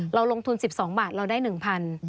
เราลงทุน๑๒บาทเราได้๑๐๐บาท